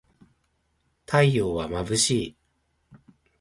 太陽はまぶしい